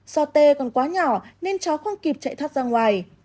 so tê còn quá nhỏ nên chó không kịp chạy thoát ra ngoài